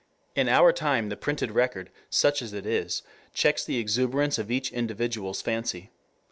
In our time the printed record, such as it is, checks the exuberance of each individual's fancy.